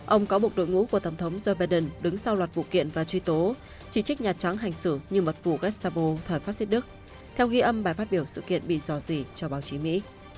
ông cáo buộc đội ngũ của tổng thống joe biden đứng sau loạt vụ kiện và truy tố chỉ trích nhà trắng hành xử như mật phủ gestabo thời phát xít đức theo ghi âm bài phát biểu sự kiện bị dò dỉ cho báo chí mỹ